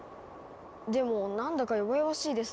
でも何だか弱々しいですね。